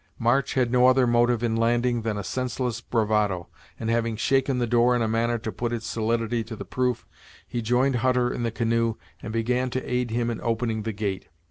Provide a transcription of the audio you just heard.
March had no other motive in landing than a senseless bravado, and having shaken the door in a manner to put its solidity to the proof, he joined Hutter in the canoe and began to aid him in opening the gate.